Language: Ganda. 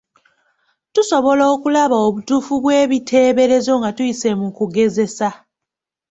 Tusobola okulaba obutuufu bw’ebiteeberezo nga tuyise mu kugezesa.